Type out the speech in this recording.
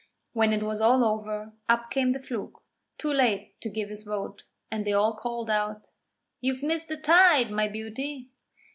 When it was all over, up came the Fluke, too late to give his vote, and they all called out: 'You've missed the tide, my beauty!'